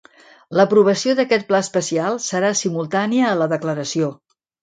L'aprovació d'aquest pla especial serà simultània a la declaració.